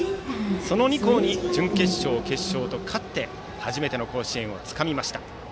その２校に準決勝、決勝と勝って初めての甲子園をつかみました。